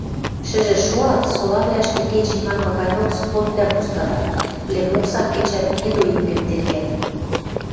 Шӹжӹ шоат, солавлӓштӹ кечӹнь манмы ганьок сходвлӓм постарат, лӹмоксам кӹчӓт, недоимкӹм тергӓт.